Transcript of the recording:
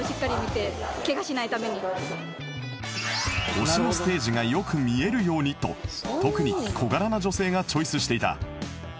推しのステージがよく見えるようにと特に小柄な女性がチョイスしていた